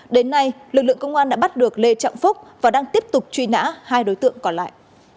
đến nay lực lượng công an đã bắt được lê trọng phúc và đang tiếp tục truy nã hai đối tượng còn lại